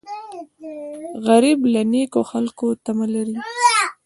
غریب له نیکو خلکو تمه لري